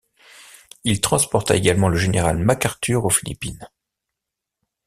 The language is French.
Il transporta également le général MacArthur aux Philippines.